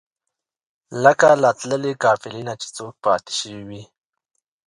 لکه له تللې قافلې نه چې څوک پاتې شوی وي.